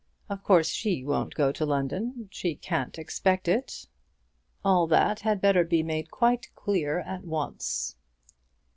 Of course she won't go to London. She can't expect it. All that had better be made quite clear at once."